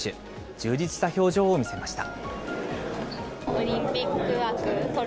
充実した表情を見せました。